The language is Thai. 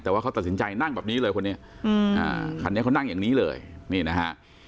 แต่ว่าเขาตัดสินใจนั่งแบบนี้เลยคนนี้คันนี้เขานั่งอย่างนี้เลยนี่นะฮะ